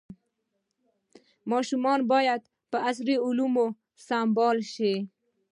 ماشومان باید په عصري علومو سمبال شي.